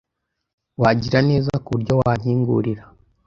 Wagira neza kuburyo wankingurira?